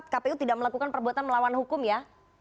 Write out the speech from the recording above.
kpu tidak melakukan perbuatan melawan hukum ya